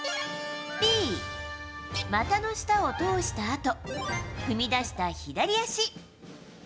Ｂ、股の下を通したあと踏み出した左足。